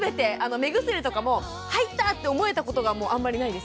目薬とかも入ったって思えたことがあんまりないです。